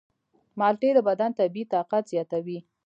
مالټې د بدن طبیعي طاقت زیاتوي.